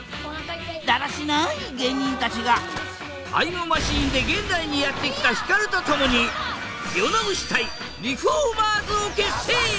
だらしない芸人たちがタイムマシンで現代にやって来たヒカルと共に世直し隊リフォーマーズを結成。